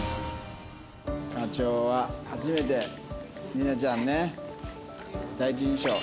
課長は初めてりなちゃんね第一印象。